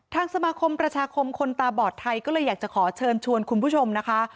ทางสมาคมประชาคมคนตาบอดไทยก็เลยอยากจะขอเชิญชวนคุณผู้ชมนะคะ